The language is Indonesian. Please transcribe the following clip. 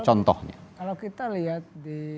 contohnya kalau kita lihat di